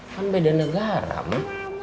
kan beda negara ma